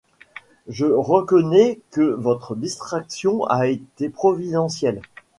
Je reconnais que votre distraction a été providentielle.